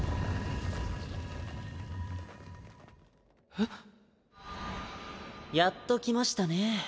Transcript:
えっ？やっと来ましたね。